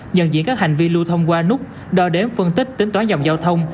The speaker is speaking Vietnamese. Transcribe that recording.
nhận diễn các hành vi lưu thông qua nút đo đếm phân tích tính toán dòng giao thông